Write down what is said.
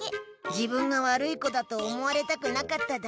自分が悪い子だと思われたくなかっただけ。